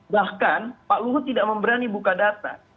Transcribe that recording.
bahkan pak luhut tidak memberani buka data